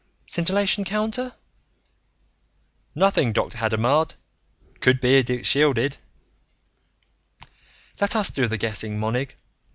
"Scintillation counter?" "Nothing, Dr. Hadamard. Could be it's shielded." "Let us do the guessing, Monig.